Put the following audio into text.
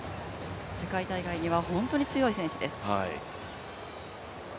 世界大会には本当に強い選手です。